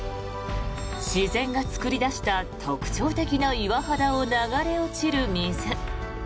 自然が作り出した特徴的な岩肌を流れ落ちる水。